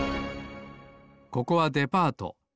ここはデパート。